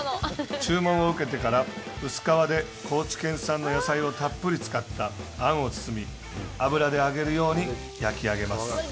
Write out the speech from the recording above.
注文を受けてから、薄皮で高知産の野菜をたっぷり使ったあんを包み、油で揚げるように焼き上げます。